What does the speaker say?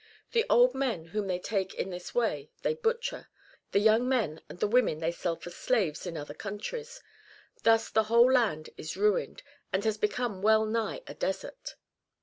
The old men whom they take in this way they butcher ; the young men and the women they sell for slaves in other countries ; thus the whole land is ruined, and has become well nigh a desert.